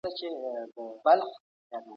سياسي سيستم د اساسي قانون پواسطه ساتل کېږي.